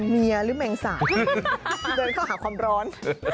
เมียหรือแม่งสาไปเผื่อเข้าหาความร้อน